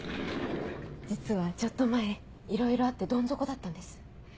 実はちょっと前いろいろあってどん底だったんです。